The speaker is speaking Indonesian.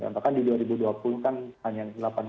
bahkan di dua ribu dua puluh kan hanya delapan puluh